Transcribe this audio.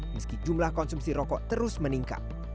meski jumlah konsumsi rokok terus meningkat